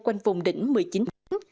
quanh vùng đỉnh một mươi chín tháng